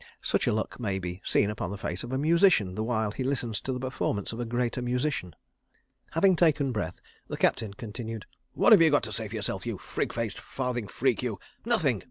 Such a look may be seen upon the face of a musician the while he listens to the performance of a greater musician. Having taken breath, the Captain continued: "What have you got to say for yourself, you frig faced farthing freak, you? Nothing!